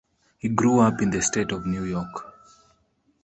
He grew up in the state of New York.